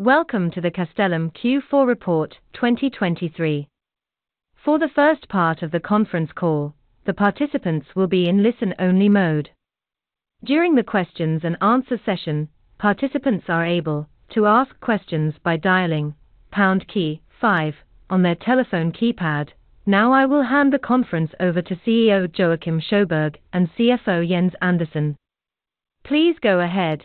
Welcome to the Castellum Q4 Report 2023. For the first part of the conference call, the participants will be in listen-only mode. During the questions and answer session, participants are able to ask questions by dialing pound key five on their telephone keypad. Now, I will hand the conference over to CEO Joacim Sjöberg and CFO Jens Andersson. Please go ahead.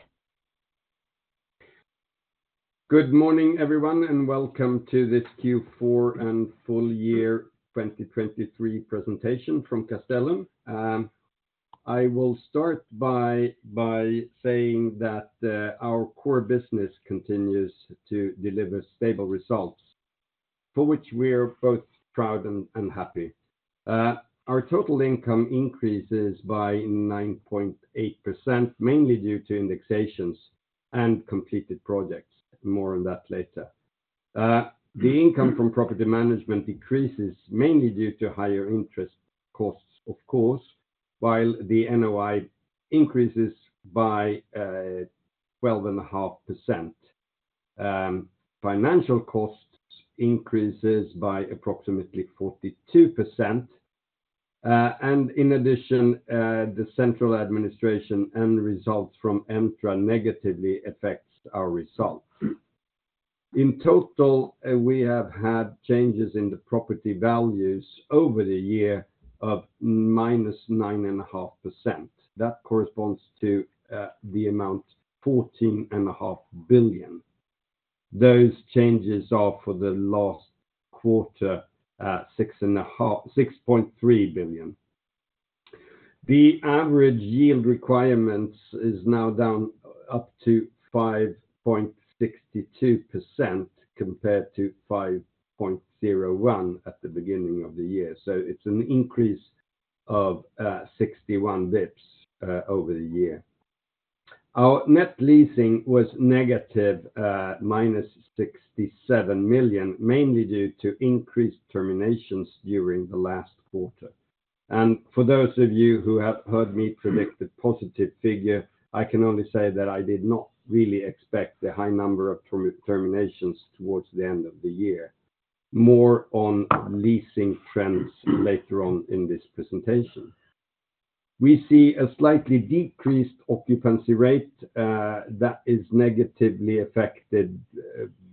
Good morning, everyone, and welcome to this Q4 and full year 2023 presentation from Castellum. I will start by saying that our core business continues to deliver stable results, for which we are both proud and happy. Our total income increases by 9.8%, mainly due to indexations and completed projects. More on that later. The income from property management decreases mainly due to higher interest costs, of course, while the NOI increases by 12.5%. Financial costs increases by approximately 42%. And in addition, the central administration and results from Entra negatively affects our results. In total, we have had changes in the property values over the year of -9.5%. That corresponds to the amount 14.5 billion. Those changes are for the last quarter, six point three billion. The average yield requirements is now down up to 5.62%, compared to 5.01% at the beginning of the year. So it's an increase of, 61 basis points, over the year. Our net leasing was negative, -67 million, mainly due to increased terminations during the last quarter. And for those of you who have heard me predict a positive figure, I can only say that I did not really expect the high number of terminations towards the end of the year. More on leasing trends later on in this presentation. We see a slightly decreased occupancy rate, that is negatively affected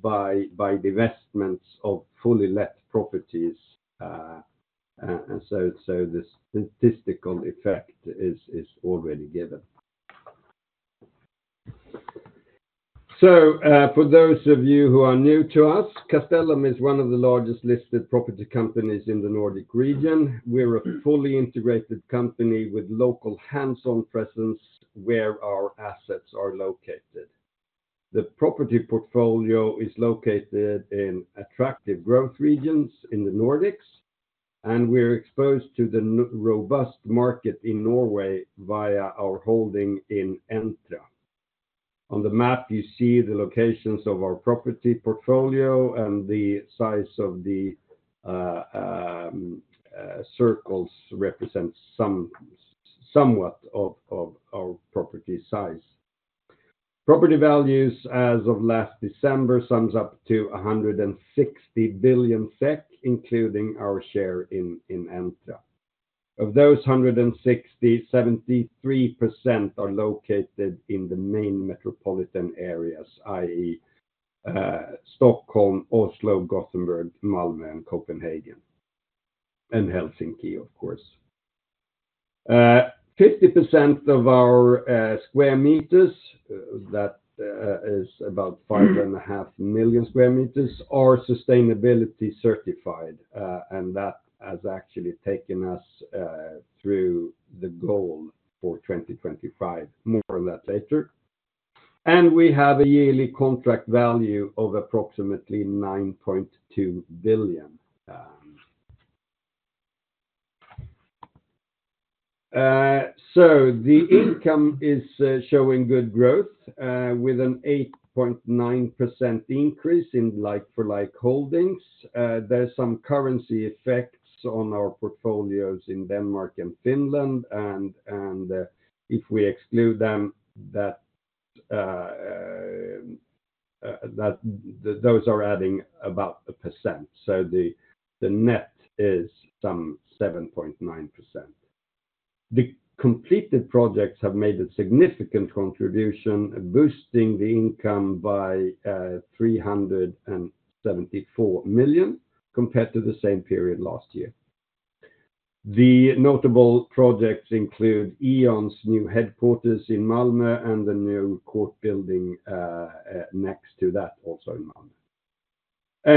by divestments of fully let properties, and so the statistical effect is already given. So, for those of you who are new to us, Castellum is one of the largest listed property companies in the Nordic region. We're a fully integrated company with local hands-on presence where our assets are located. The property portfolio is located in attractive growth regions in the Nordics, and we're exposed to the robust market in Norway via our holding in Entra. On the map, you see the locations of our property portfolio, and the size of the circles represents somewhat of our property size. Property values as of last December sum up to 160 billion SEK, including our share in Entra. Of those 160, 73% are located in the main metropolitan areas, i.e., Stockholm, Oslo, Gothenburg, Malmö, and Copenhagen, and Helsinki, of course. 50% of our square meters that is about 5.5 million sq m are sustainability certified, and that has actually taken us through the goal for 2025. More on that later. We have a yearly contract value of approximately 9.2 billion. So the income is showing good growth with an 8.9% increase in like-for-like holdings. There's some currency effects on our portfolios in Denmark and Finland, and if we exclude them, those are adding about 1%. So the net is 7.9%. The completed projects have made a significant contribution, boosting the income by 374 million compared to the same period last year. The notable projects include E.ON's new headquarters in Malmö and the new court building next to that, also in Malmö,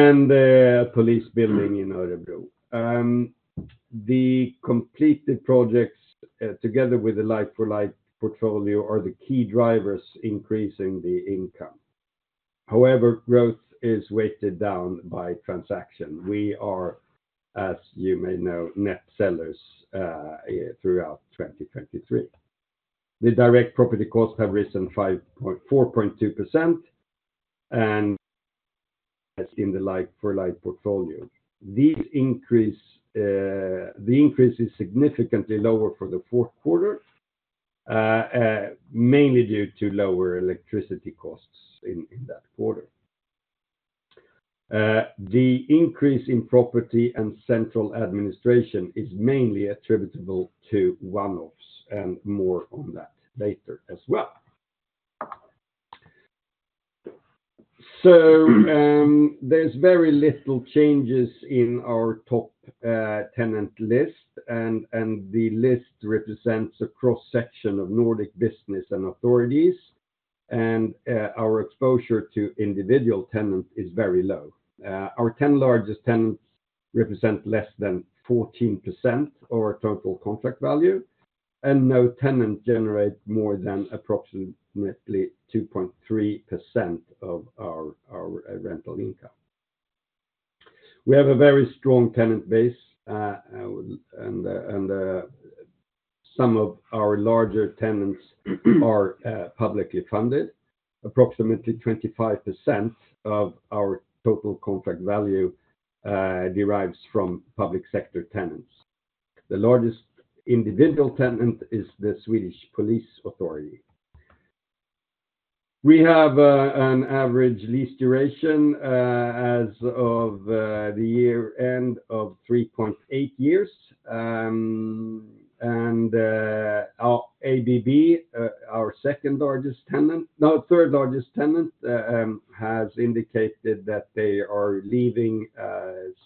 and the police building in Örebro. The completed projects together with the like-for-like portfolio are the key drivers increasing the income. However, growth is weighted down by transaction. We are, as you may know, net sellers throughout 2023. The direct property costs have risen 4.2%, and as in the like-for-like portfolio. The increase is significantly lower for the fourth quarter mainly due to lower electricity costs in that quarter. The increase in property and central administration is mainly attributable to one-offs, and more on that later as well. So, there's very little changes in our top tenant list, and the list represents a cross-section of Nordic business and authorities, and our exposure to individual tenants is very low. Our 10 largest tenants represent less than 14% of our total contract value, and no tenant generates more than approximately 2.3% of our rental income. We have a very strong tenant base, and some of our larger tenants are publicly funded. Approximately 25% of our total contract value derives from public sector tenants. The largest individual tenant is the Swedish Police Authority. We have an average lease duration as of the year end of 3.8 years. Our ABB, our second largest tenant, no, third largest tenant, has indicated that they are leaving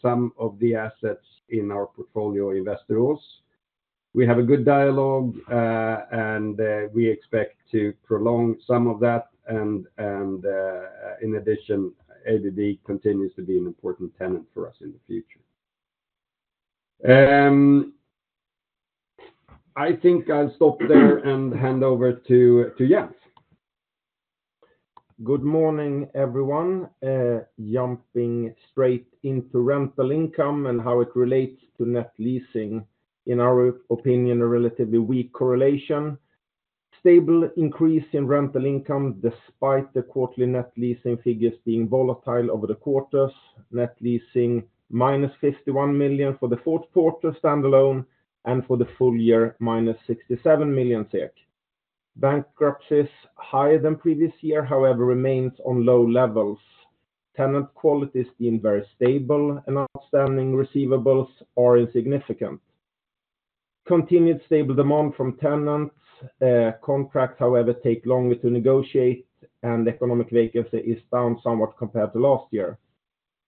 some of the assets in our portfolio, Västerås. We have a good dialogue, and we expect to prolong some of that. In addition, ABB continues to be an important tenant for us in the future. I think I'll stop there and hand over to Jens. Good morning, everyone. Jumping straight into rental income and how it relates to net leasing. In our opinion, a relatively weak correlation. Stable increase in rental income despite the quarterly net leasing figures being volatile over the quarters. Net leasing -51 million SEK for the fourth quarter standalone, and for the full year, -67 million SEK. Bankruptcies higher than previous year, however, remains on low levels. Tenant quality has been very stable, and outstanding receivables are insignificant. Continued stable demand from tenants. Contracts, however, take longer to negotiate, and economic vacancy is down somewhat compared to last year.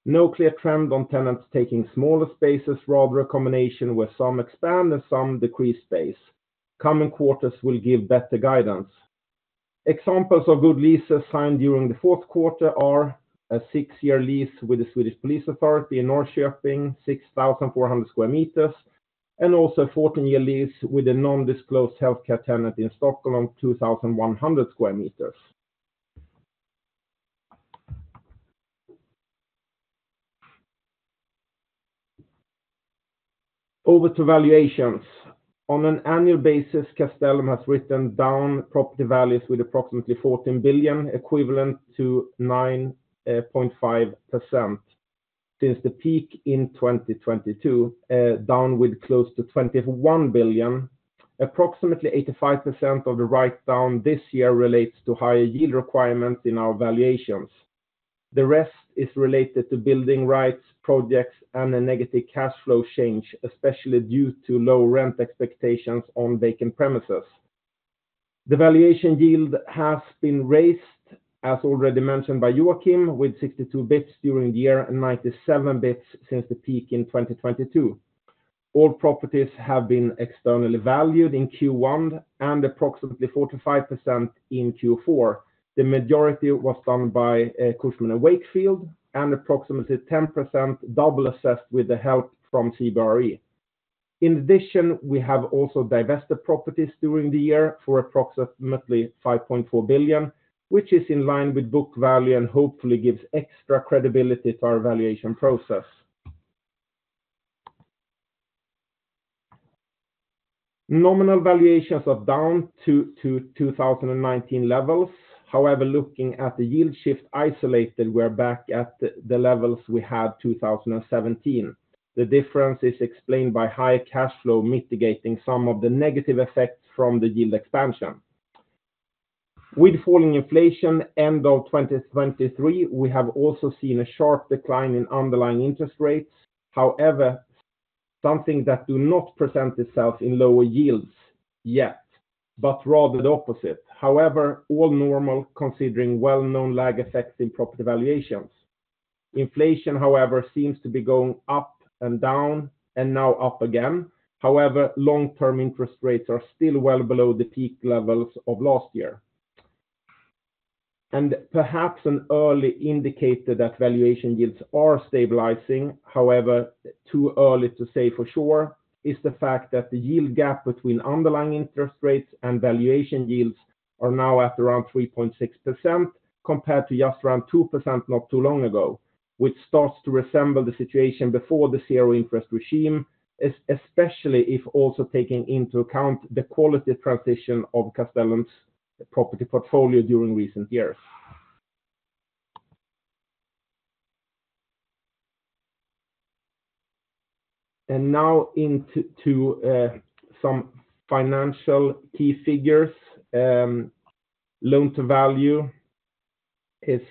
No clear trend on tenants taking smaller spaces, rather a combination, where some expand and some decrease space. Coming quarters will give better guidance. Examples of good leases signed during the fourth quarter are a 6-year lease with the Swedish Police Authority in Norrköping, 6,400 sq m, and also a 14-year lease with a non-disclosed healthcare tenant in Stockholm, 2,100 sq m. Over to valuations. On an annual basis, Castellum has written down property values with approximately 14 billion, equivalent to 9.5%. Since the peak in 2022, down with close to 21 billion. Approximately 85% of the write-down this year relates to higher yield requirements in our valuations. The rest is related to building rights, projects, and a negative cash flow change, especially due to low rent expectations on vacant premises. The valuation yield has been raised, as already mentioned by Joacim, with 62 basis points during the year and 97 basis points since the peak in 2022. All properties have been externally valued in Q1 and approximately 45% in Q4. The majority was done by Cushman & Wakefield and approximately 10% double-assessed with the help from CBRE. In addition, we have also divested properties during the year for approximately 5.4 billion, which is in line with book value and hopefully gives extra credibility to our valuation process. Nominal valuations are down to 2019 levels. However, looking at the yield shift isolated, we're back at the levels we had in 2017. The difference is explained by higher cash flow, mitigating some of the negative effects from the yield expansion. With falling inflation end of 2023, we have also seen a sharp decline in underlying interest rates. However, something that do not present itself in lower yields yet, but rather the opposite. However, all normal considering well-known lag effects in property valuations. Inflation, however, seems to be going up and down, and now up again. However, long-term interest rates are still well below the peak levels of last year. Perhaps an early indicator that valuation yields are stabilizing, however, too early to say for sure, is the fact that the yield gap between underlying interest rates and valuation yields are now at around 3.6%, compared to just around 2% not too long ago, which starts to resemble the situation before the zero interest regime, especially if also taking into account the quality transition of Castellum's property portfolio during recent years. Now into some financial key figures. Loan-to-value is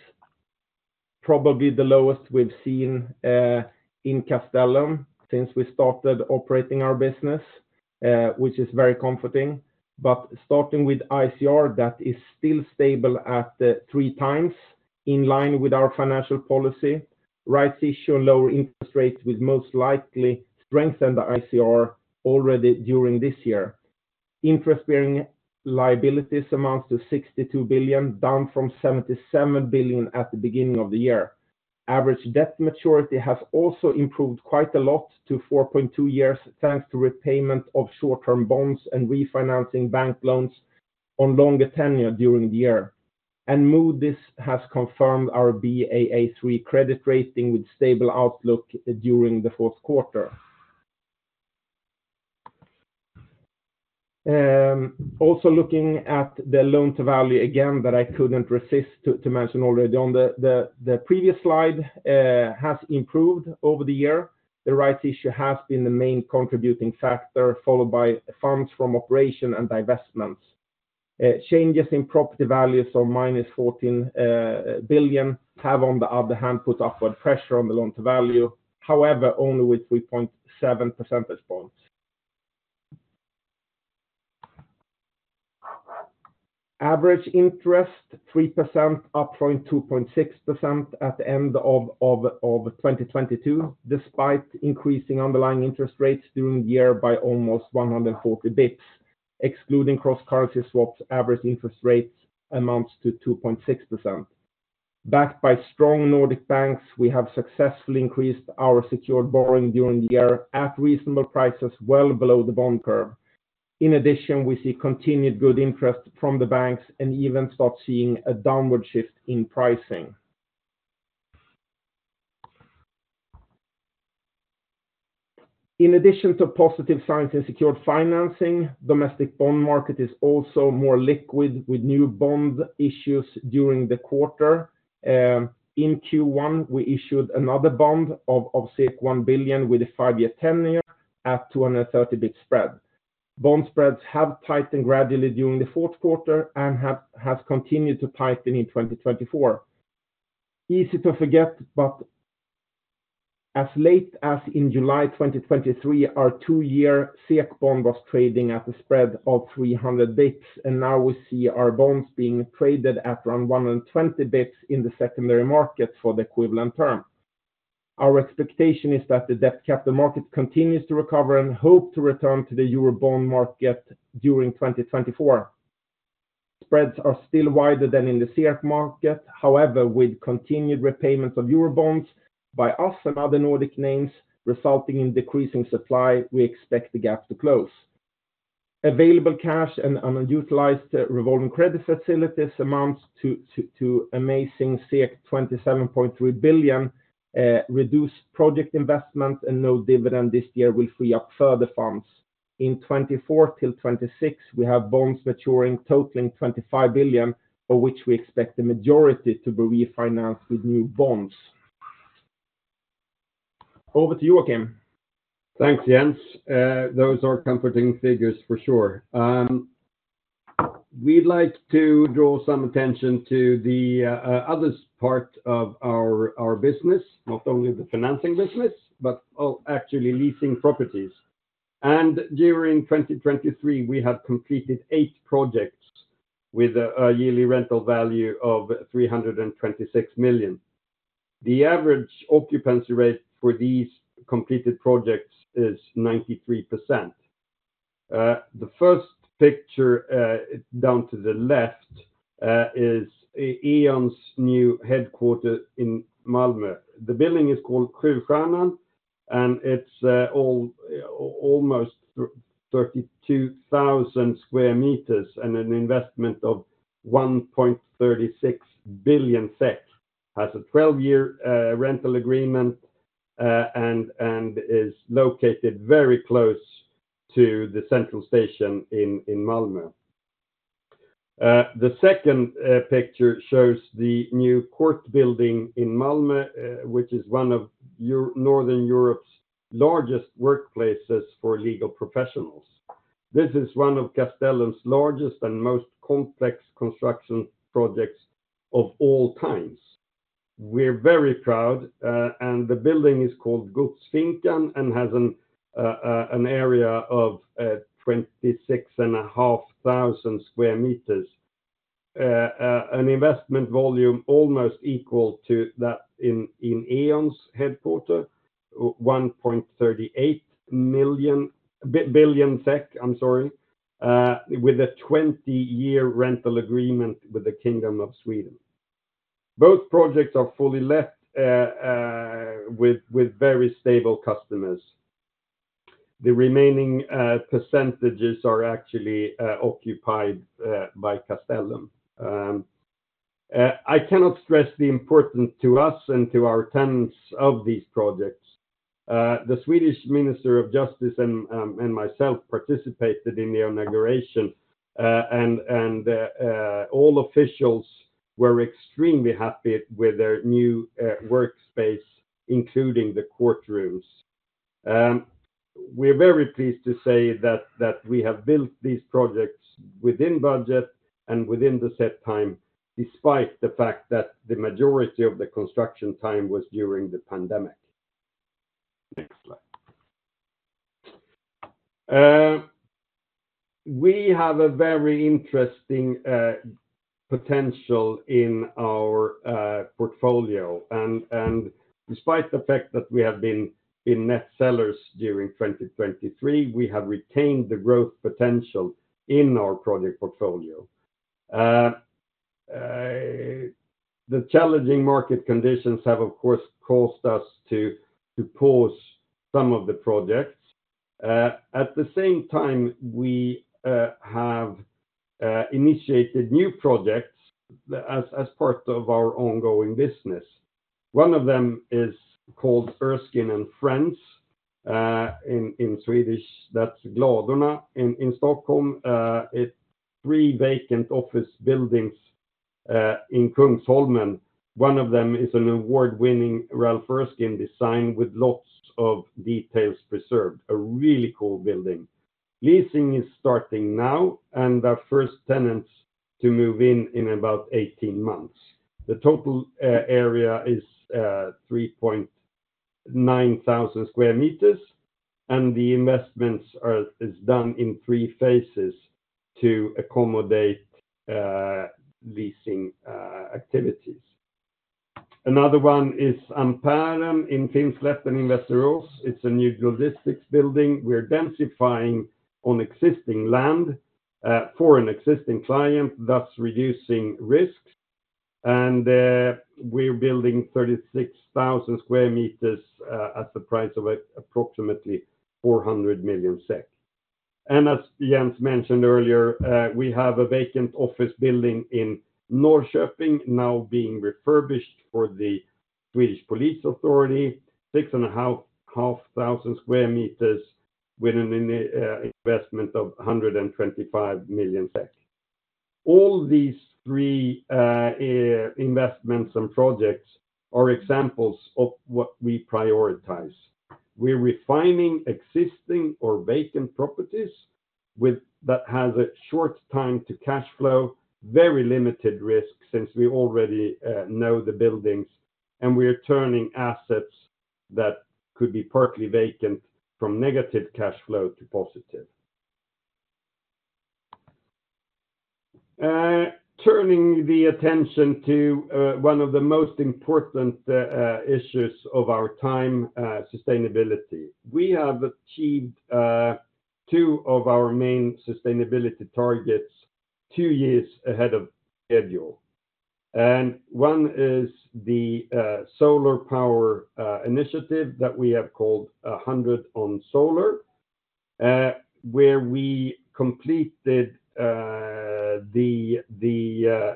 probably the lowest we've seen in Castellum since we started operating our business, which is very comforting. Starting with ICR, that is still stable at 3 times in line with our financial policy. Rights issue, lower interest rates will most likely strengthen the ICR already during this year. Interest-bearing liabilities amount to 62 billion, down from 77 billion at the beginning of the year. Average debt maturity has also improved quite a lot to 4.2 years, thanks to repayment of short-term bonds and refinancing bank loans on longer tenure during the year. Moody's has confirmed our Baa3 credit rating with stable outlook during the fourth quarter. Also looking at the loan to value again, that I couldn't resist to mention already on the previous slide, has improved over the year. The rights issue has been the main contributing factor, followed by funds from operations and divestments. Changes in property values of -14 billion have, on the other hand, put upward pressure on the loan to value. However, only with 3.7 percentage points. Average interest, 3%, up from 2.6% at the end of 2022, despite increasing underlying interest rates during the year by almost 140 basis points. Excluding cross-currency swaps, average interest rates amounts to 2.6%. Backed by strong Nordic banks, we have successfully increased our secured borrowing during the year at reasonable prices, well below the bond curve. In addition, we see continued good interest from the banks and even start seeing a downward shift in pricing. In addition to positive signs in secured financing, domestic bond market is also more liquid, with new bond issues during the quarter. In Q1, we issued another bond of 1 billion with a five-year tenure at 230 basis point spread. Bond spreads have tightened gradually during the fourth quarter and has continued to tighten in 2024. Easy to forget, but as late as in July 2023, our two-year SEK bond was trading at a spread of 300 basis points, and now we see our bonds being traded at around 120 basis points in the secondary market for the equivalent term. Our expectation is that the debt capital market continues to recover and hope to return to the Eurobond market during 2024. Spreads are still wider than in the SEK market. However, with continued repayments of Eurobonds by us and other Nordic names resulting in decreasing supply, we expect the gap to close. Available cash and unutilized revolving credit facilities amounts to amazing 27.3 billion, reduced project investment and no dividend this year will free up further funds. In 2024-2026, we have bonds maturing, totaling 25 billion, for which we expect the majority to be refinanced with new bonds. Over to you, Joacim. Thanks, Jens. Those are comforting figures for sure. We'd like to draw some attention to the others part of our business, not only the financing business, but of actually leasing properties. During 2023, we have completed eight projects with a yearly rental value of 326 million. The average occupancy rate for these completed projects is 93%. The first picture down to the left is E.ON's new headquarters in Malmö. The building is called Sjufrämjaren, and it's almost 32,000 sq m and an investment of 1.36 billion SEK, has a 12-year rental agreement, and is located very close to the central station in Malmö. The second picture shows the new court building in Malmö, which is one of Northern Europe's largest workplaces for legal professionals. This is one of Castellum's largest and most complex construction projects of all times. We're very proud, and the building is called Godsfinkan and has an area of 26,500 sq m. An investment volume almost equal to that in E.ON's headquarters, 1.38 billion SEK, I'm sorry, with a 20-year rental agreement with the Kingdom of Sweden. Both projects are fully let with very stable customers. The remaining percentages are actually occupied by Castellum. I cannot stress the importance to us and to our tenants of these projects. The Swedish Minister of Justice and myself participated in the inauguration, and all officials were extremely happy with their new workspace, including the courtrooms. We're very pleased to say that we have built these projects within budget and within the set time, despite the fact that the majority of the construction time was during the pandemic. Next slide. We have a very interesting potential in our portfolio, and despite the fact that we have been in net sellers during 2023, we have retained the growth potential in our project portfolio. The challenging market conditions have, of course, caused us to pause some of the projects. At the same time, we have initiated new projects as part of our ongoing business. One of them is called Erskine & Friends. In Swedish, that's Glädjen. In Stockholm, it's three vacant office buildings in Kungsholmen. One of them is an award-winning Ralph Erskine design with lots of details preserved, a really cool building. Leasing is starting now, and our first tenants to move in in about 18 months. The total area is 3,900 sq m and the investments are done in three phases to accommodate leasing activities. Another one is Amperen in Finslätten in Västerås. It's a new logistics building. We're densifying on existing land for an existing client, thus reducing risks, and we're building 36,000 sq m at the price of approximately 400 million SEK. As Jens mentioned earlier, we have a vacant office building in Norrköping, now being refurbished for the Swedish Police Authority, 6,500 sq m with an investment of SEK 125 million. All these three investments and projects are examples of what we prioritize. We're refining existing or vacant properties with that has a short time to cash flow, very limited risk since we already know the buildings, and we are turning assets that could be partly vacant from negative cash flow to positive. Turning the attention to one of the most important issues of our time, sustainability. We have achieved two of our main sustainability targets two years ahead of schedule. One is the solar power initiative that we have called 100 on Solar, where we completed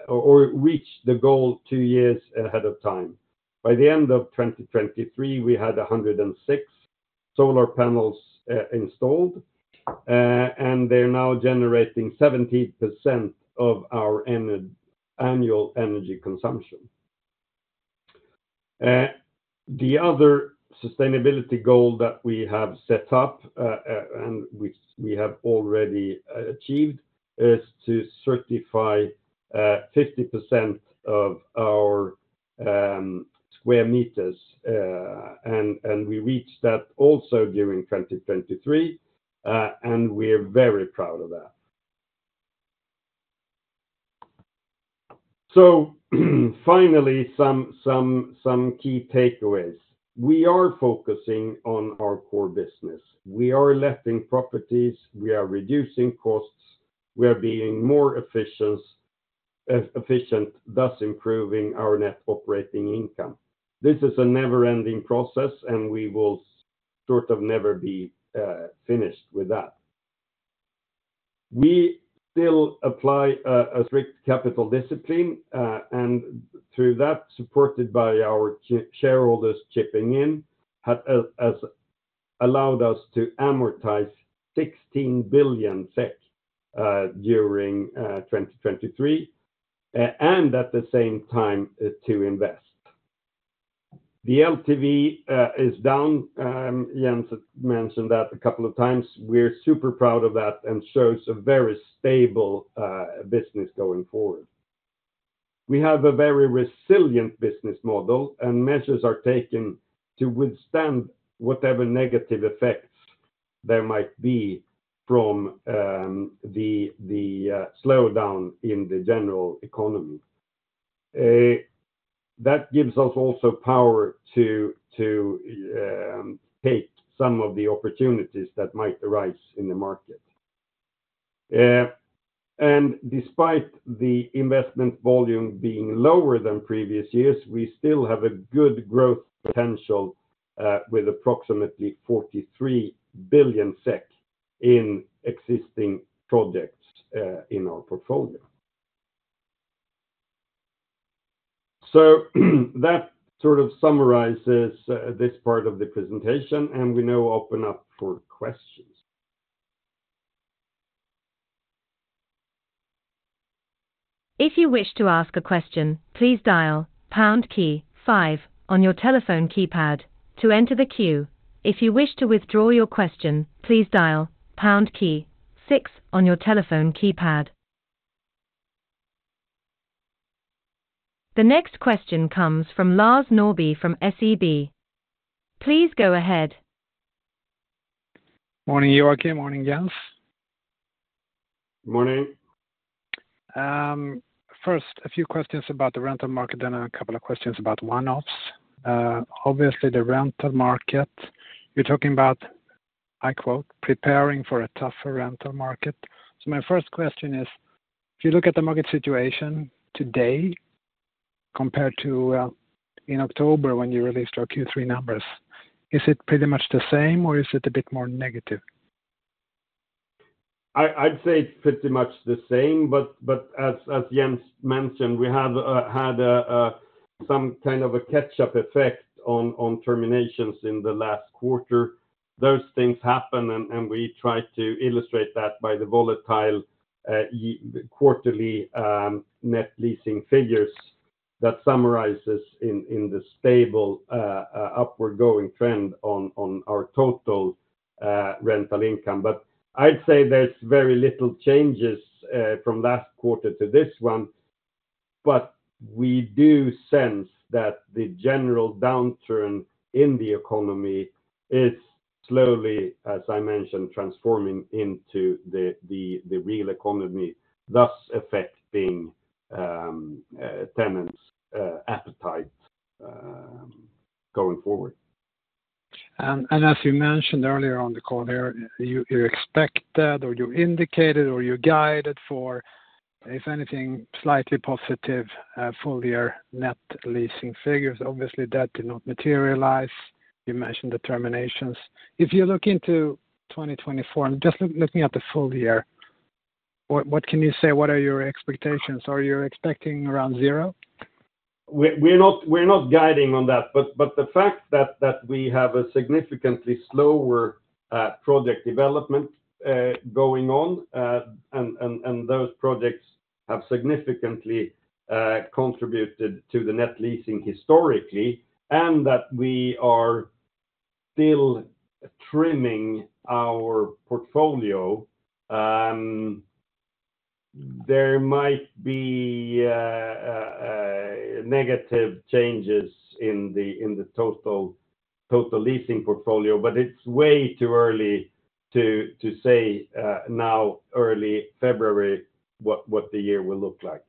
or reached the goal two years ahead of time. By the end of 2023, we had 106 solar panels installed, and they're now generating 70% of our annual energy consumption. The other sustainability goal that we have set up and which we have already achieved is to certify 50% of our square meters, and we reached that also during 2023, and we're very proud of that. So finally, some key takeaways. We are focusing on our core business. We are letting properties, we are reducing costs, we are being more efficient, thus improving our net operating income. This is a never-ending process, and we will sort of never be finished with that. We still apply a strict capital discipline, and through that, supported by our shareholders chipping in, has allowed us to amortize 16 billion SEK during 2023, and at the same time to invest. The LTV is down. Jens mentioned that a couple of times. We're super proud of that and shows a very stable business going forward. We have a very resilient business model, and measures are taken to withstand whatever negative effects there might be from the slowdown in the general economy. That gives us also power to take some of the opportunities that might arise in the market. Despite the investment volume being lower than previous years, we still have a good growth potential with approximately 43 billion SEK in existing projects in our portfolio. That sort of summarizes this part of the presentation, and we now open up for questions. If you wish to ask a question, please dial pound key five on your telephone keypad to enter the queue. If you wish to withdraw your question, please dial pound key six on your telephone keypad. The next question comes from Lars Norrby from SEB. Please go ahead. Morning, Joacim. Morning, Jens. Morning. First, a few questions about the rental market, then a couple of questions about one-offs. Obviously, the rental market, you're talking about, I quote, "Preparing for a tougher rental market." So my first question is: if you look at the market situation today compared to in October, when you released our Q3 numbers, is it pretty much the same, or is it a bit more negative? I'd say it's pretty much the same, but as Jens mentioned, we have had some kind of a catch-up effect on terminations in the last quarter. Those things happen, and we try to illustrate that by the volatile quarterly net leasing figures that summarizes in the stable upward going trend on our total rental income. But I'd say there's very little changes from last quarter to this one, but we do sense that the general downturn in the economy is slowly, as I mentioned, transforming into the real economy, thus affecting tenants' appetite going forward. And as you mentioned earlier on the call here, you expected, or you indicated, or you guided for, if anything, slightly positive, full year net leasing figures. Obviously, that did not materialize. You mentioned the terminations. If you look into 2024, and just looking at the full year, what can you say? What are your expectations? Are you expecting around zero? We're not guiding on that. But the fact that we have a significantly slower project development going on, and those projects have significantly contributed to the net leasing historically, and that we are still trimming our portfolio, there might be negative changes in the total leasing portfolio. But it's way too early to say now, early February, what the year will look like.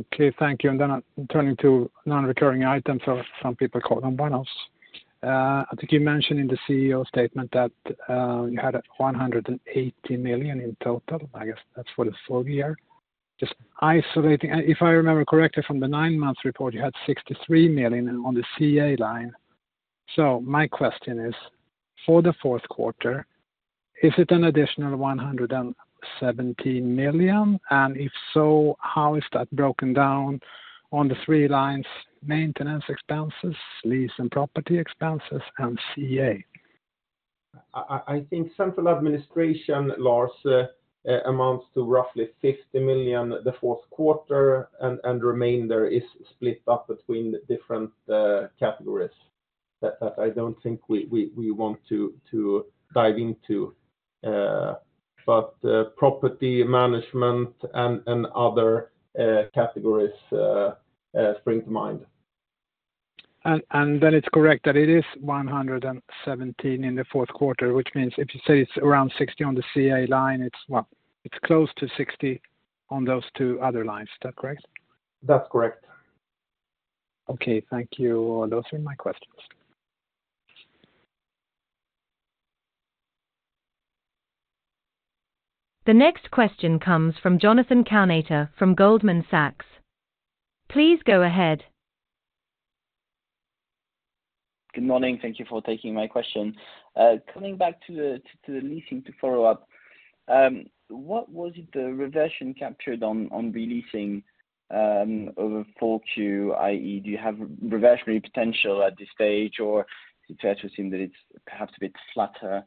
Okay, thank you. And then I'm turning to non-recurring items, or some people call them one-offs. I think you mentioned in the CEO statement that you had 180 million in total. I guess that's for the full year. Just isolating - If I remember correctly from the nine-month report, you had 63 million on the CA line. So my question is, for the fourth quarter, is it an additional 117 million? And if so, how is that broken down on the three lines: maintenance expenses, lease and property expenses, and CA? I think central administration, Lars, amounts to roughly 50 million, the fourth quarter, and remainder is split up between different categories that I don't think we want to dive into. But property management and other categories spring to mind. And then it's correct that it is 117 in the fourth quarter, which means if you say it's around 60 on the CA line, it's, well, it's close to 60 on those two other lines. Is that correct? That's correct. Okay, thank you. Those are my questions. The next question comes from Jonathan Kownator from Goldman Sachs. Please go ahead. Good morning. Thank you for taking my question. Coming back to the leasing to follow up, what was it the reversion captured on re-leasing over Q4, i.e., do you have reversionary potential at this stage, or it actually seem that it's perhaps a bit flatter?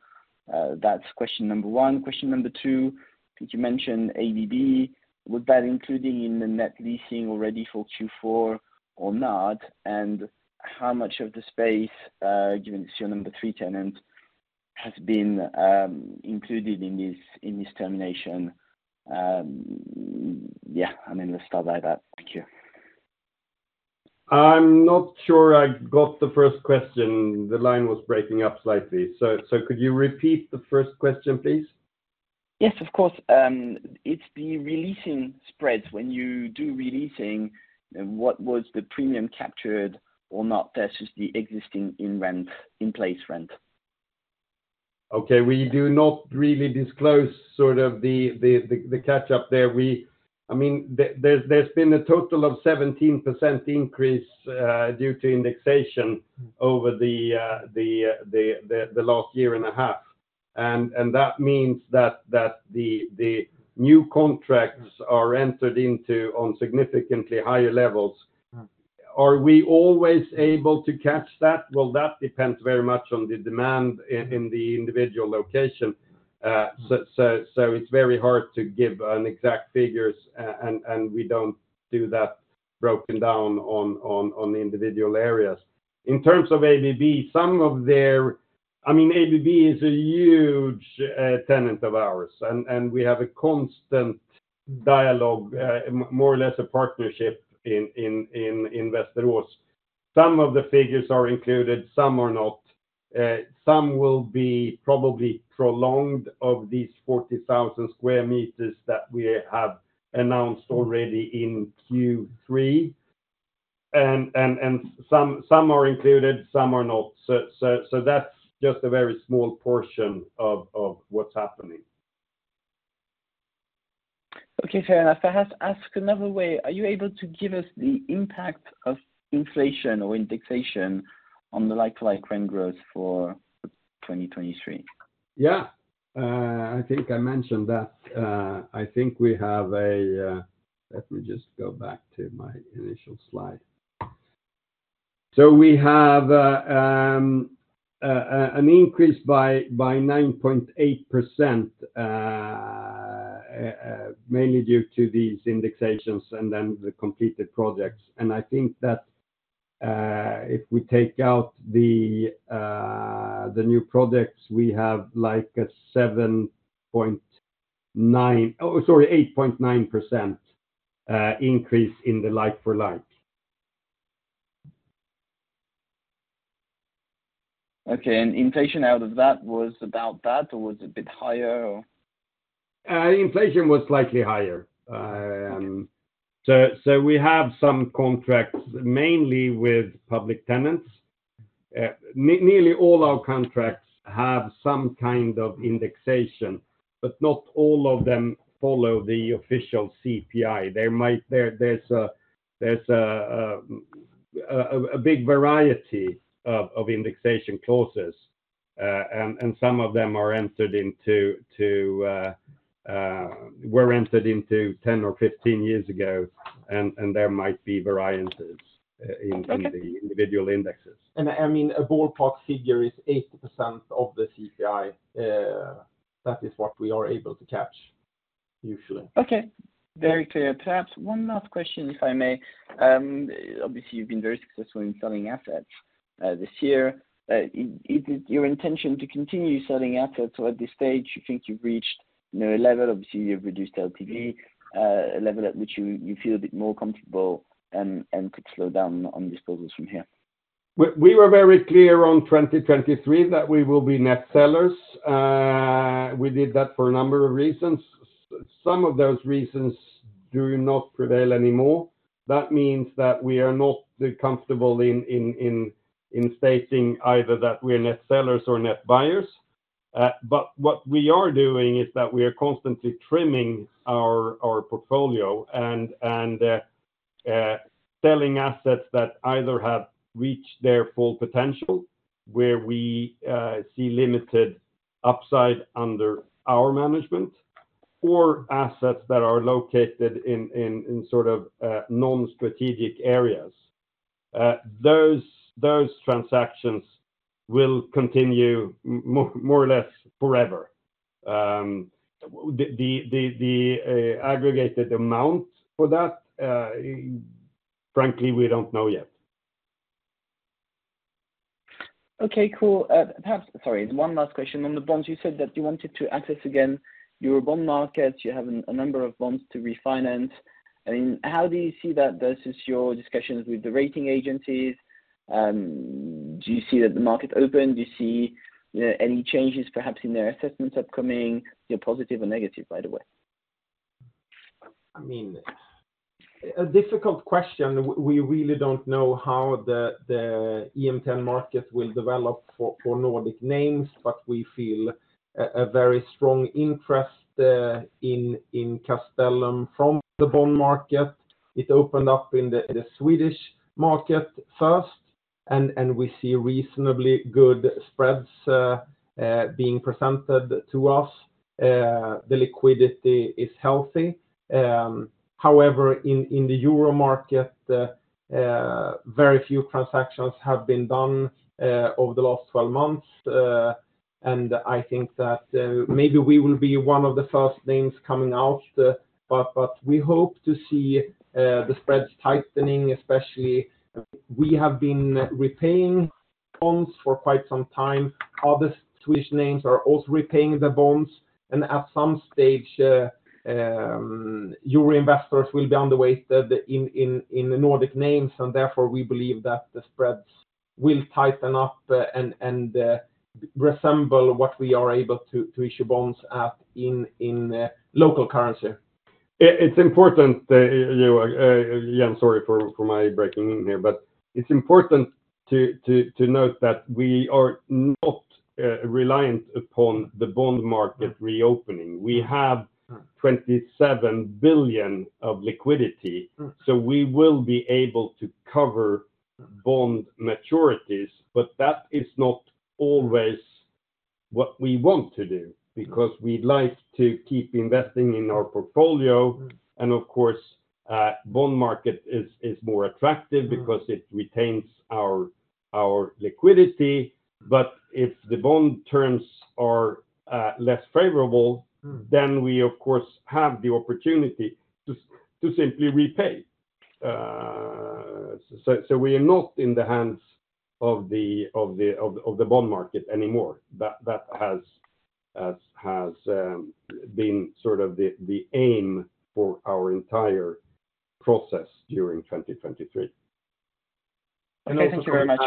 That's question number one. Question number two, I think you mentioned ABB. Was that including in the net leasing already for Q4 or not? And how much of the space, given it's your number three tenant, has been included in this termination? Yeah, I mean, let's start like that. Thank you. I'm not sure I got the first question. The line was breaking up slightly. So, so could you repeat the first question, please? Yes, of course. It's the re-leasing spreads. When you do re-leasing, what was the premium captured or not versus the existing in-rent, in-place rent? Okay. We do not really disclose sort of the catch-up there. I mean, there's been a total of 17% increase due to indexation over the last year and a half. And that means that the new contracts are entered into on significantly higher levels. Are we always able to catch that? Well, that depends very much on the demand in the individual location. So it's very hard to give exact figures, and we don't do that broken down on the individual areas. In terms of ABB, I mean, ABB is a huge tenant of ours, and we have a constant dialogue, more or less a partnership in Västerås. Some of the figures are included, some are not. Some will be probably prolonged of these 40,000 sq m that we have announced already in Q3. And some are included, some are not. So that's just a very small portion of what's happening. Okay, fair enough. If I have to ask another way, are you able to give us the impact of inflation or indexation on the like-for-like rent growth for 2023? Yeah. I think I mentioned that. I think we have a... Let me just go back to my initial slide. So we have an increase by, by 9.8%, mainly due to these indexations and then the completed projects. And I think that, if we take out the, the new projects, we have like a 7.9%, oh, sorry, 8.9% increase in the like-for-like. Okay. And inflation out of that was about that or was a bit higher or? Inflation was slightly higher. So we have some contracts, mainly with public tenants. Nearly all our contracts have some kind of indexation, but not all of them follow the official CPI. There's a big variety of indexation clauses, and some of them were entered into 10 or 15 years ago, and there might be variances in- Okay... the individual indexes. And, I mean, a ballpark figure is 80% of the CPI, that is what we are able to catch usually. Okay. Very clear. Perhaps one last question, if I may. Obviously, you've been very successful in selling assets this year. Is it your intention to continue selling assets, or at this stage, you think you've reached, you know, a level, obviously, you've reduced LTV, a level at which you, you feel a bit more comfortable and, and could slow down on disposals from here? We were very clear on 2023 that we will be net sellers. We did that for a number of reasons. Some of those reasons do not prevail anymore. That means that we are not comfortable stating either that we are net sellers or net buyers. But what we are doing is that we are constantly trimming our portfolio and selling assets that either have reached their full potential, where we see limited upside under our management, or assets that are located in sort of non-strategic areas. Those transactions will continue more or less forever. The aggregated amount for that, frankly, we don't know yet. Okay, cool. Perhaps... Sorry, one last question. On the bonds, you said that you wanted to access again your bond market. You have a number of bonds to refinance. I mean, how do you see that versus your discussions with the rating agencies? Do you see that the market open? Do you see any changes perhaps in their assessments upcoming, positive or negative, by the way? I mean, a difficult question. We really don't know how the EMTN market will develop for Nordic names, but we feel a very strong interest in Castellum from the bond market. It opened up in the Swedish market first, and we see reasonably good spreads being presented to us. The liquidity is healthy. However, in the Euro market, very few transactions have been done over the last twelve months. And I think that maybe we will be one of the first names coming out. But we hope to see the spreads tightening, especially we have been repaying bonds for quite some time. Other Swedish names are also repaying their bonds, and at some stage, Euro investors will be on the way in the Nordic names, and therefore, we believe that the spreads will tighten up and resemble what we are able to issue bonds at in local currency. It's important, yeah, I'm sorry for my breaking in here, but it's important to note that we are not reliant upon the bond market reopening. We have 27 billion of liquidity, so we will be able to cover bond maturities, but that is not always what we want to do, because we'd like to keep investing in our portfolio. And of course, bond market is more attractive because it retains our liquidity. But if the bond terms are less favorable, then we of course have the opportunity to simply repay. So we are not in the hands of the bond market anymore. That has been sort of the aim for our entire process during 2023. Okay, thank you very much.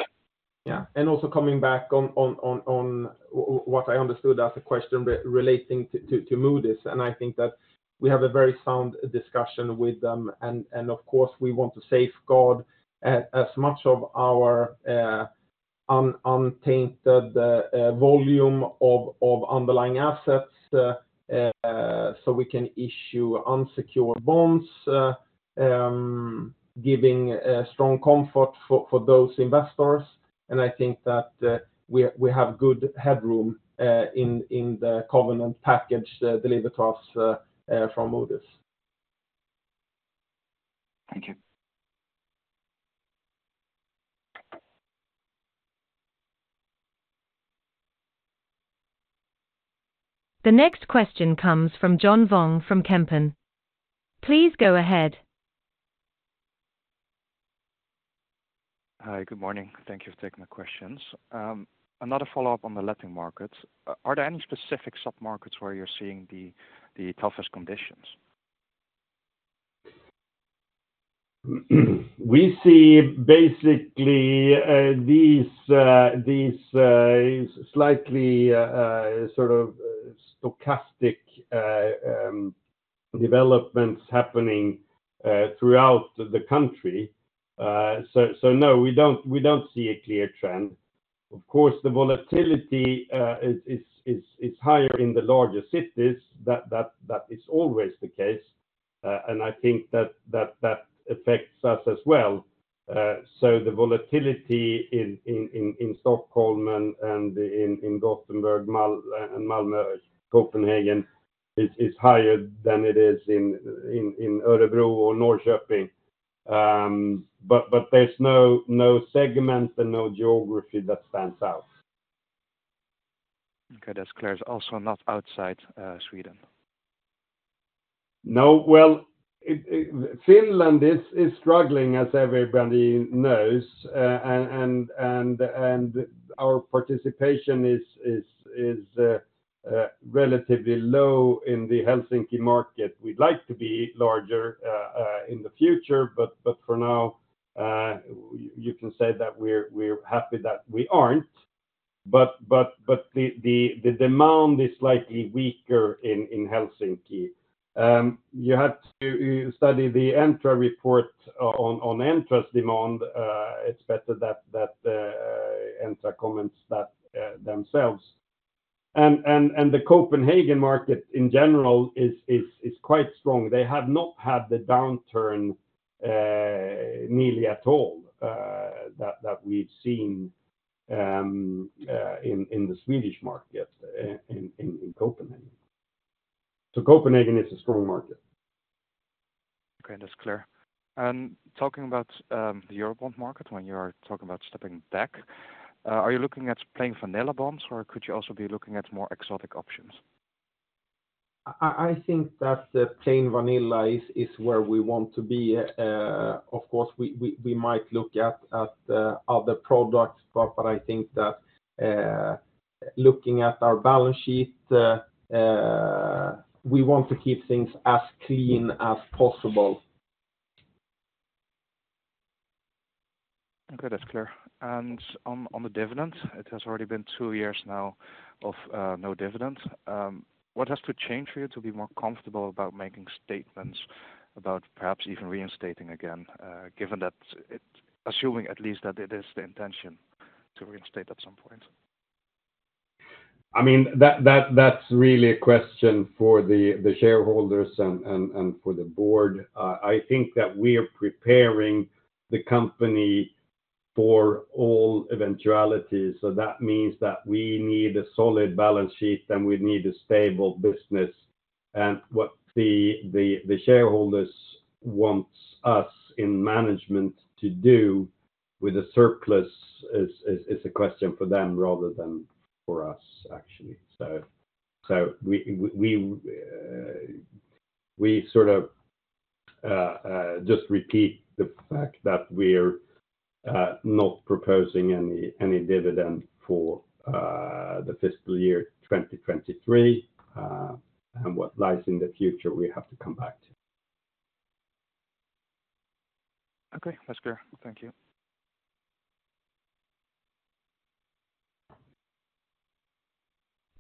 Yeah. Also coming back on what I understood as a question relating to Moody's, and I think that we have a very sound discussion with them, and of course, we want to safeguard as much of our untainted volume of underlying assets, so we can issue unsecured bonds, giving strong comfort for those investors. I think that we have good headroom in the covenant package delivered to us from Moody's. Thank you. The next question comes from John Vuong from Kempen. Please go ahead. Hi, good morning. Thank you for taking my questions. Another follow-up on the letting markets. Are there any specific submarkets where you're seeing the toughest conditions? We see basically these slightly sort of stochastic developments happening throughout the country. So no, we don't see a clear trend. Of course, the volatility is higher in the larger cities. That is always the case, and I think that affects us as well. So the volatility in Stockholm and in Gothenburg, Malmö, and Copenhagen is higher than it is in Örebro or Norrköping. But there's no segment and no geography that stands out. Okay, that's clear. Also not outside Sweden? No. Well, Finland is struggling, as everybody knows, and our participation is relatively low in the Helsinki market. We'd like to be larger in the future, but for now, you can say that we're happy that we aren't. But the demand is slightly weaker in Helsinki. You have to study the Entra report on interest demand. It's better that Entra comments that themselves. And the Copenhagen market in general is quite strong. They have not had the downturn nearly at all that we've seen in the Swedish market in Copenhagen. So Copenhagen is a strong market. Okay, that's clear. Talking about the Eurobond market, when you are talking about stepping back, are you looking at playing vanilla bonds, or could you also be looking at more exotic options? I think that the plain vanilla is where we want to be. Of course, we might look at other products, but I think that, looking at our balance sheet, we want to keep things as clean as possible. Okay, that's clear. On the dividend, it has already been two years now of no dividend. What has to change for you to be more comfortable about making statements about perhaps even reinstating again, given that assuming at least that it is the intention to reinstate at some point? I mean, that's really a question for the shareholders and for the board. I think that we are preparing the company for all eventualities. So that means that we need a solid balance sheet, and we need a stable business. And what the shareholders wants us in management to do with a surplus is a question for them rather than for us, actually. So we sort of just repeat the fact that we're not proposing any dividend for the fiscal year 2023. And what lies in the future, we have to come back to. Okay, that's clear. Thank you. ...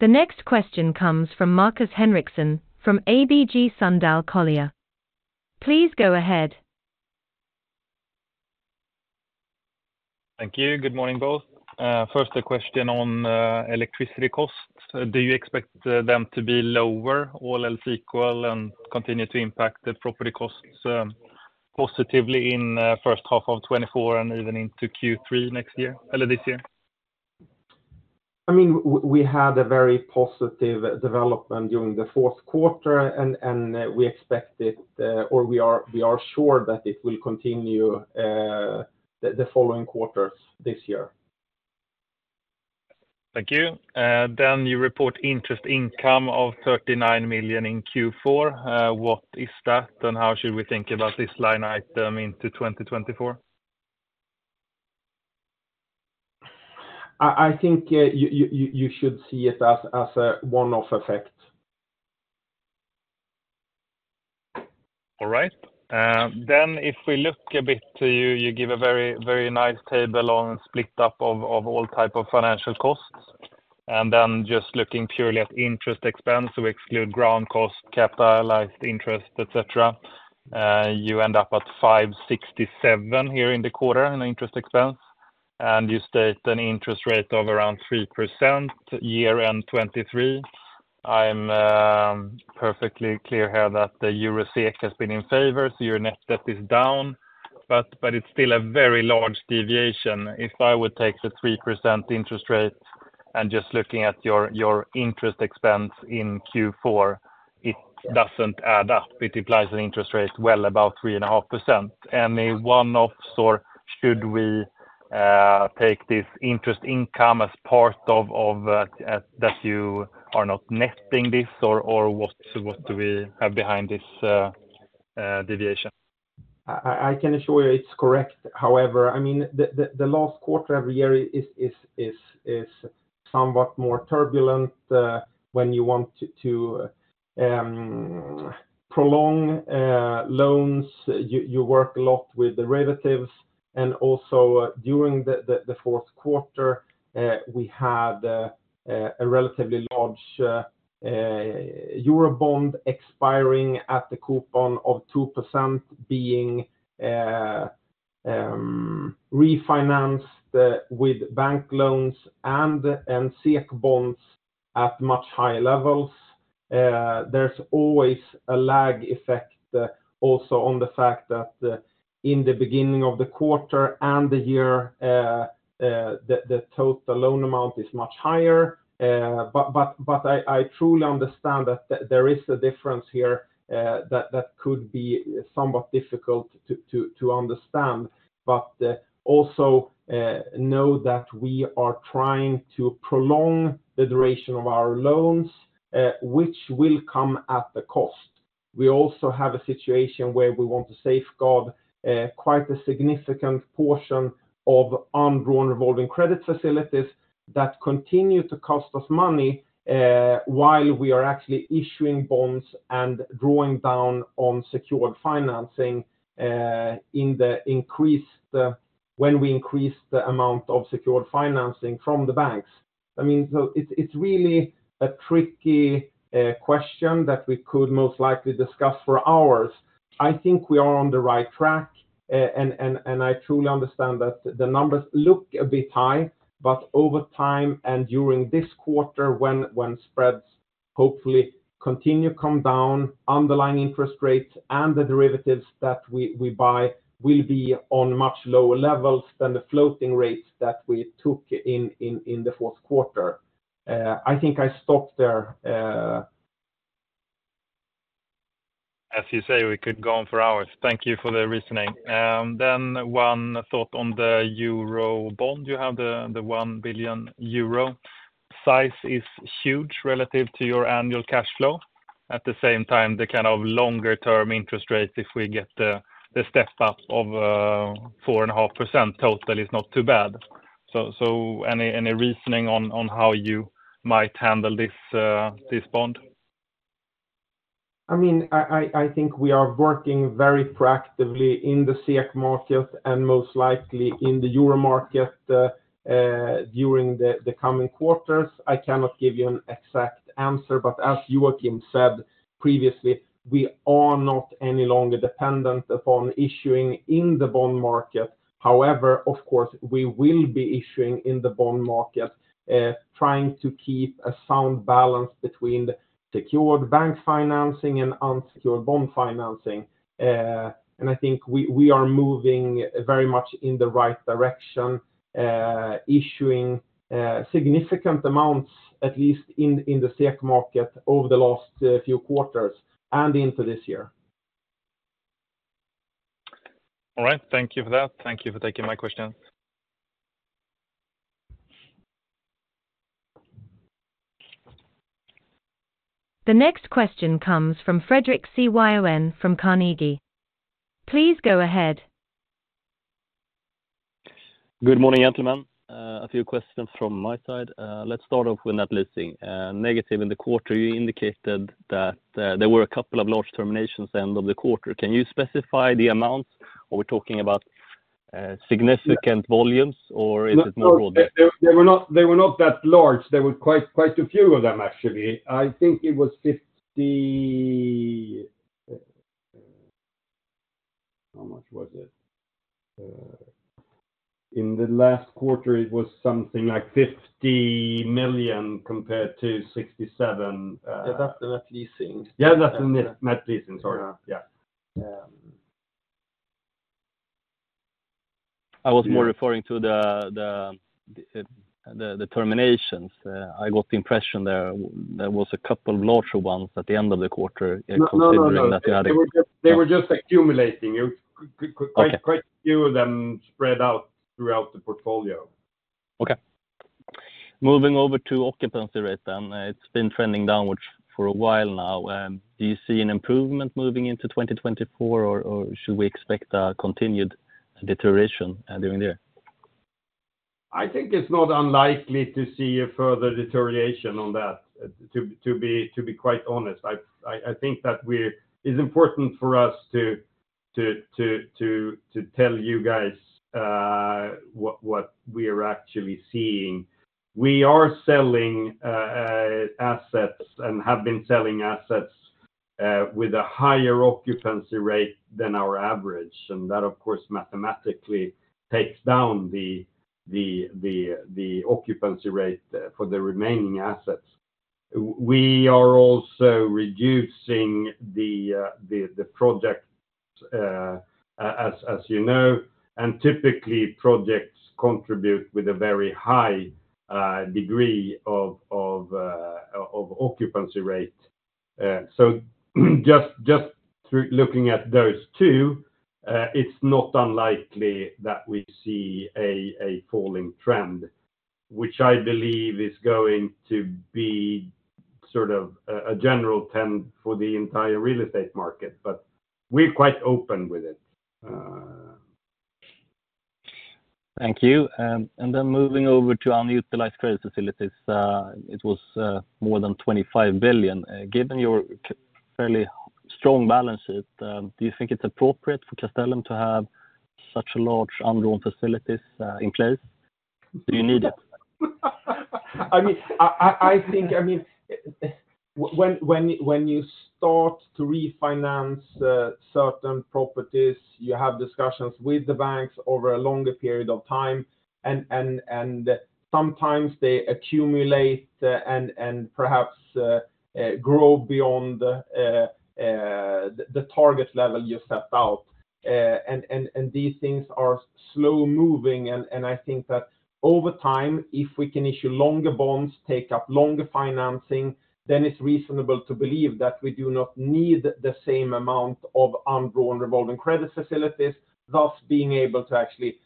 The next question comes from Markus Henriksson from ABG Sundal Collier. Please go ahead. Thank you. Good morning, both. First, a question on electricity costs. Do you expect them to be lower, all else equal, and continue to impact the property costs positively in first half of 2024 and even into Q3 next year or this year? I mean, we had a very positive development during the fourth quarter, and we expect it, or we are sure that it will continue, the following quarters this year. Thank you. Then you report interest income of 39 million in Q4. What is that? And how should we think about this line item into 2024? I think you should see it as a one-off effect. All right. Then if we look a bit to you, you give a very, very nice table on split up of, of all type of financial costs. And then just looking purely at interest expense, we exclude ground costs, capitalized interest, et cetera. You end up at 567 here in the quarter in interest expense, and you state an interest rate of around 3% year-end 2023. I'm perfectly clear here that the Euro SEK has been in favor, so your net debt is down, but it's still a very large deviation. If I would take the 3% interest rate and just looking at your, your interest expense in Q4, it doesn't add up. It implies an interest rate well above 3.5%. Any one-offs, or should we take this interest income as part of, of, that you are not netting this, or, or what, what do we have behind this, deviation? I can assure you it's correct. However, I mean, the last quarter every year is somewhat more turbulent when you want to prolong loans, you work a lot with the relatives. And also, during the fourth quarter, we had a relatively large Eurobond expiring at the coupon of 2%, being refinanced with bank loans and SEK bonds at much higher levels. There's always a lag effect, also on the fact that, in the beginning of the quarter and the year, the total loan amount is much higher. But I truly understand that there is a difference here, that could be somewhat difficult to understand. But also know that we are trying to prolong the duration of our loans, which will come at a cost. We also have a situation where we want to safeguard quite a significant portion of undrawn revolving credit facilities that continue to cost us money, while we are actually issuing bonds and drawing down on secured financing, when we increase the amount of secured financing from the banks. I mean, so it's really a tricky question that we could most likely discuss for hours. I think we are on the right track, and I truly understand that the numbers look a bit high, but over time and during this quarter, when spreads hopefully continue to come down, underlying interest rates and the derivatives that we buy will be on much lower levels than the floating rates that we took in in the fourth quarter. I think I stop there. As you say, we could go on for hours. Thank you for the reasoning. Then one thought on the Eurobond. You have the, the 1 billion euro. Size is huge relative to your annual cash flow. At the same time, the kind of longer-term interest rates, if we get the, the step up of 4.5% total, is not too bad. So, so any, any reasoning on, on how you might handle this, this bond? I mean, I think we are working very proactively in the SEK market and most likely in the euro market during the coming quarters. I cannot give you an exact answer, but as Joacim said previously, we are not any longer dependent upon issuing in the bond market. However, of course, we will be issuing in the bond market, trying to keep a sound balance between secured bank financing and unsecured bond financing. And I think we are moving very much in the right direction, issuing significant amounts, at least in the SEK market over the last few quarters and into this year. All right. Thank you for that. Thank you for taking my questions. The next question comes from Fredric Cyon from Carnegie. Please go ahead. Good morning, gentlemen. A few questions from my side. Let's start off with net leasing. Negative in the quarter, you indicated that there were a couple of large terminations end of the quarter. Can you specify the amount, or we're talking about?... significant volumes or is it not all that? They, they were not, they were not that large. There were quite, quite a few of them, actually. I think it was 50-- How much was it? In the last quarter, it was something like 50 million compared to 67 million. Yeah, that's the net leasing. Yeah, that's the net, net leasing, sorry. Yeah. Yeah. Yeah. I was more referring to the terminations. I got the impression there was a couple of larger ones at the end of the quarter, considering that- No, no, no. They were just, they were just accumulating. It was quite- Okay... quite a few of them spread out throughout the portfolio. Okay. Moving over to occupancy rate then. It's been trending downwards for a while now. Do you see an improvement moving into 2024, or should we expect a continued deterioration during the year? I think it's not unlikely to see a further deterioration on that, to be quite honest. I think that we... It's important for us to tell you guys what we are actually seeing. We are selling assets and have been selling assets with a higher occupancy rate than our average, and that, of course, mathematically takes down the occupancy rate for the remaining assets. We are also reducing the project, as you know, and typically, projects contribute with a very high degree of occupancy rate. Just through looking at those two, it's not unlikely that we see a falling trend, which I believe is going to be sort of a general trend for the entire real estate market, but we're quite open with it. Thank you. And then moving over to unutilized credit facilities, it was more than 25 billion. Given your fairly strong balances, do you think it's appropriate for Castellum to have such large undrawn facilities in place? Do you need it? I mean, I think, I mean, when you start to refinance certain properties, you have discussions with the banks over a longer period of time, and sometimes they accumulate, and perhaps grow beyond the target level you set out. And these things are slow-moving, and I think that over time, if we can issue longer bonds, take up longer financing, then it's reasonable to believe that we do not need the same amount of undrawn revolving credit facilities, thus being able to actually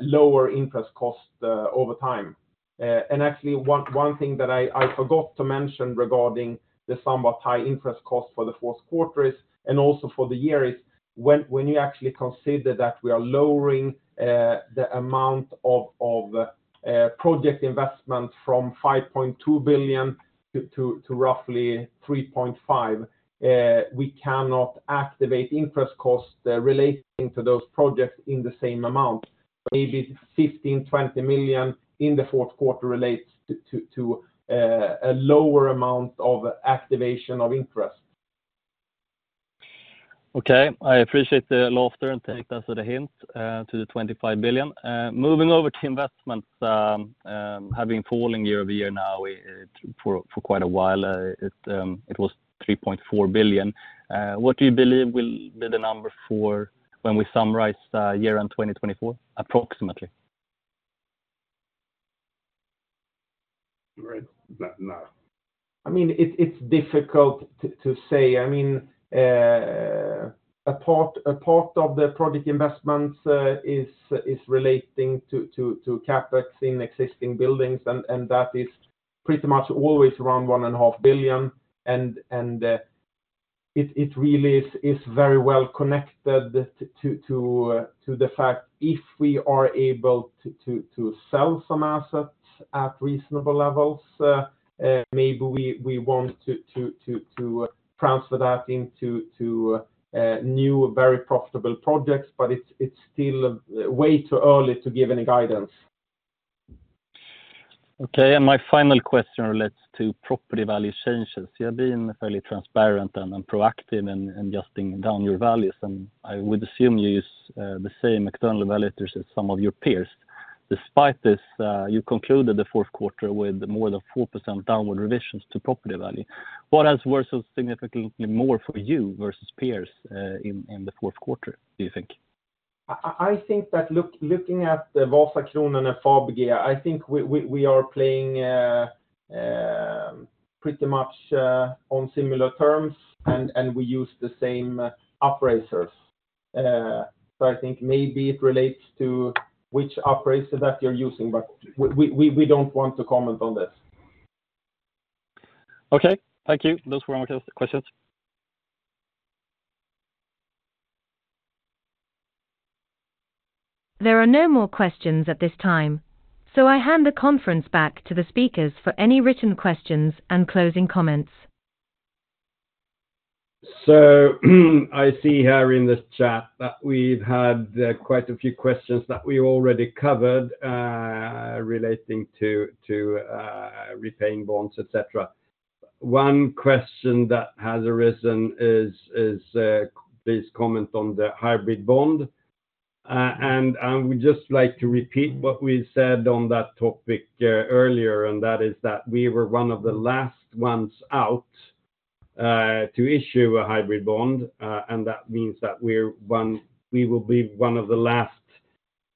lower interest costs over time. And actually, one thing that I forgot to mention regarding the somewhat high interest cost for the fourth quarter is, and also for the year, is when you actually consider that we are lowering the amount of project investment from 5.2 billion to roughly 3.5 billion, we cannot activate interest costs relating to those projects in the same amount. Maybe 15-20 million in the fourth quarter relates to a lower amount of activation of interest. Okay. I appreciate the laughter and thank you for the hint to the 25 billion. Moving over to investments, have been falling year-over-year now for quite a while. It was 3.4 billion. What do you believe will be the number for when we summarize year-end 2024, approximately? Right. Now, I mean, it's difficult to say. I mean, a part of the project investments is relating to CapEx in existing buildings, and that is pretty much always around 1.5 billion. And, it really is very well connected to the fact, if we are able to sell some assets at reasonable levels, maybe we want to transfer that into new, very profitable projects, but it's still way too early to give any guidance. Okay, and my final question relates to property value changes. You have been fairly transparent and, and proactive in, in adjusting down your values, and I would assume you use the same external evaluators as some of your peers. Despite this, you concluded the fourth quarter with more than 4% downward revisions to property value. What else was so significantly more for you versus peers in the fourth quarter, do you think? I think that looking at Vasakronan and Fabege, I think we are playing pretty much on similar terms, and we use the same appraisers. So I think maybe it relates to which appraiser that you're using, but we don't want to comment on this. Okay. Thank you. Those were my questions. There are no more questions at this time, so I hand the conference back to the speakers for any written questions and closing comments. ... So I see here in the chat that we've had quite a few questions that we already covered relating to repaying bonds, et cetera. One question that has arisen is please comment on the hybrid bond. And we just like to repeat what we said on that topic earlier, and that is that we were one of the last ones out to issue a hybrid bond, and that means that we're one—we will be one of the last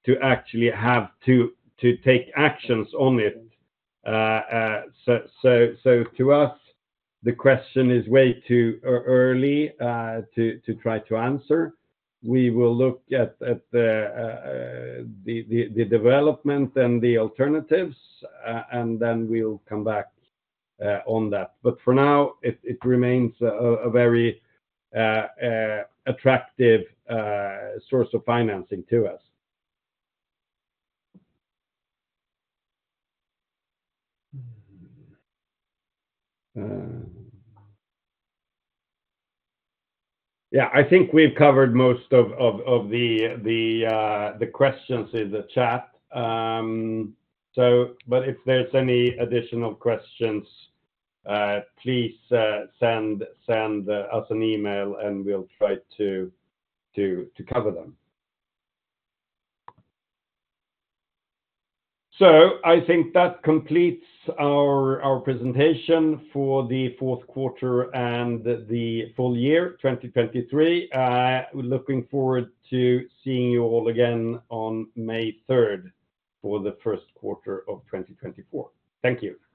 to actually have to take actions on it. So to us, the question is way too early to try to answer. We will look at the development and the alternatives, and then we'll come back on that. But for now, it remains a very attractive source of financing to us. Yeah, I think we've covered most of the questions in the chat. But if there's any additional questions, please send us an email, and we'll try to cover them. So I think that completes our presentation for the fourth quarter and the full year 2023. We're looking forward to seeing you all again on May 3rd for the first quarter of 2024. Thank you!